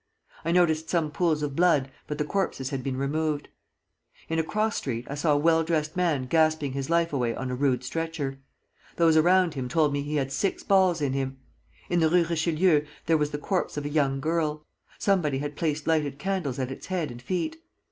I noticed some pools of blood, but the corpses had been removed; in a cross street I saw a well dressed man gasping his life away on a rude stretcher. Those around him told me he had six balls in him. In the Rue Richelieu there was the corpse of a young girl. Somebody had placed lighted candles at its head and feet.